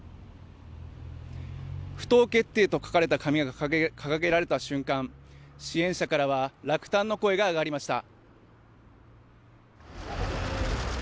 不当決定と書かれた紙を掲げられた瞬間、支援者からは落胆の声が上がりました。